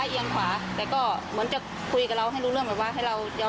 เอียงขวาแต่ก็เหมือนจะคุยกับเราให้รู้เรื่องแบบว่าให้เรายอม